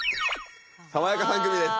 「さわやか３組」です。